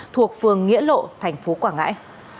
thuộc phường nghĩa lộ tp quảng ngãi